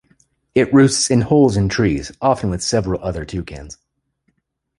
It roosts in holes in trees, often with several other toucans.